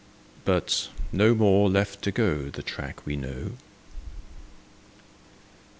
But no more left to go The track we know.